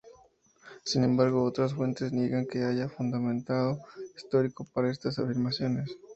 Sin embargo, otras fuentes niegan que haya fundamento histórico para estas afirmaciones.